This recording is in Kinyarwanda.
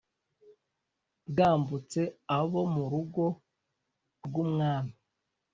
bwambutse abo mu rugo rw umwami